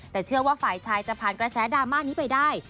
แต่เชื่อว่าฝ่ายชายจะผ่านกระแสดราม่านี้ไปได้